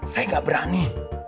saya gak berani